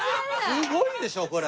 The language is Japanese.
すごいでしょこれ。